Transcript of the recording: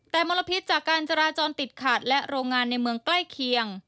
แต่มลพิษจากการจราจรติดขัดและโรงงานในเมืองใกล้เคียง